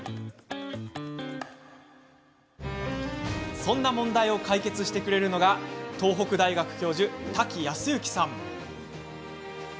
そんな問題を解決してくれるのが東北大学教授・瀧靖之さん。